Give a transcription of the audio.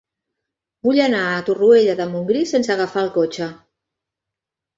Vull anar a Torroella de Montgrí sense agafar el cotxe.